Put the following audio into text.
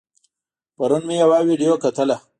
پرون مې يوه ويډيو کتله